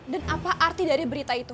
dan apa arti dari berita itu